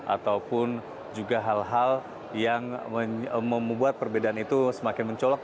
ataupun juga hal hal yang membuat perbedaan itu semakin mencolok